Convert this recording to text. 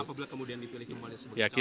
apabila kemudian dipilih kembali sebagai